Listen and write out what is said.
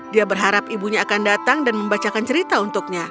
dia berharap ibunya akan datang dan membacakan cerita untuknya